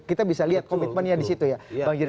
kita bisa lihat komitmennya disitu ya